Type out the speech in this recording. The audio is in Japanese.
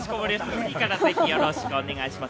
次からはよろしくお願いします。